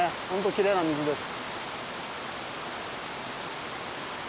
きれいな水です。